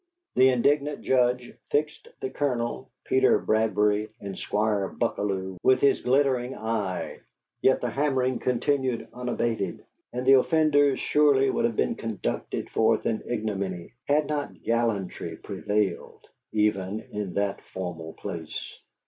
The indignant Judge fixed the Colonel, Peter Bradbury, and Squire Buckalew with his glittering eye, yet the hammering continued unabated; and the offenders surely would have been conducted forth in ignominy, had not gallantry prevailed, even in that formal place.